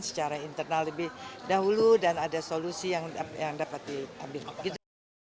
secara internal lebih dahulu dan ada solusi yang dapat diambil